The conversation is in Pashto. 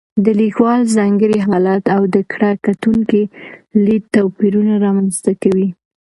د لیکوال ځانګړی حالت او د کره کتونکي لید توپیرونه رامنځته کوي.